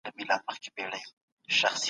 سياستپوهنه بايد د واکمنۍ قواعد روښانه کړي.